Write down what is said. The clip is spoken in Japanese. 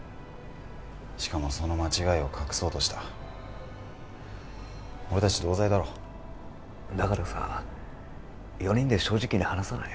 しかもその間違いを隠そうとした俺達同罪だろだからさ四人で正直に話さない？